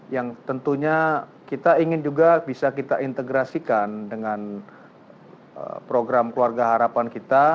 yang tentunya kita ingin juga bisa kita integrasikan dengan program keluarga harapan kita